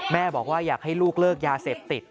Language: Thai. แม่บอกว่าอยากให้ลูกเลิกยาเสพติด